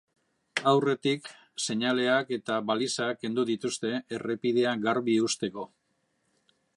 Aurretik, seinaleak eta balizak kendu dituzte, errepidea garbi uzteko.